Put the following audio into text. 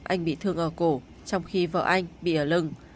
anh bị thương ở cổ trong khi vợ anh bị ở lừng